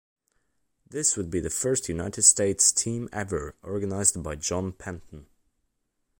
This would be the first United States team ever, organized by John Penton.